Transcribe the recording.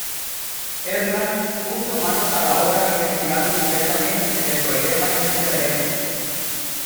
Erlang puso manos a la obra investigando directamente el problema en el terreno.